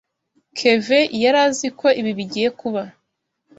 Kevin yari azi ko ibi bigiye kuba.